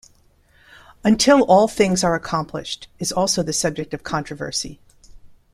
"Until all things are accomplished" is also the subject of controversy.